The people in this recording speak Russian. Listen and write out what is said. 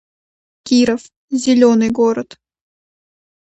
Киров — зелёный город